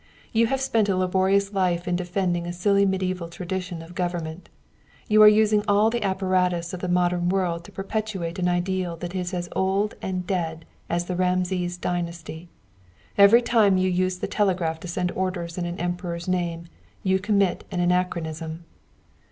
You have spent a laborious life in defending a silly medieval tradition of government. You are using all the apparatus of the modern world to perpetuate an ideal that is as old and dead as the Rameses dynasty. Every time you use the telegraph to send orders in an emperor's name you commit an anachronism."